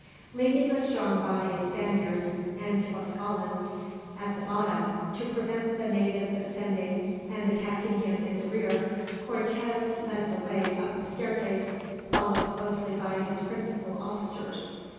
Leaving a strong body of Spaniards and Tlascalans at the bottom, to prevent the natives ascending and attacking him in the rear, Cortez led the way up the staircase, followed closely by his principal officers.